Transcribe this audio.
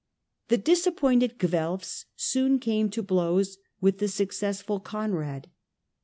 2 The disappointed Guelfs soon came to blows with the successful Conrad.